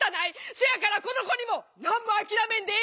せやからこの子にも何も諦めんでえ